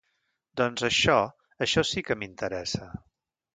Doncs això, això sí que m'interessa.